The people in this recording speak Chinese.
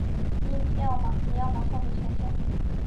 你要马上回前线。